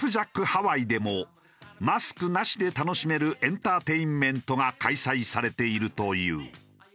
ハワイでもマスクなしで楽しめるエンターテインメントが開催されているという。